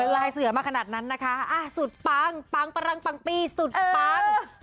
ลายเสือมาขนาดนั้นนะคะสุดปังปังปรังปังปี้สุดปัง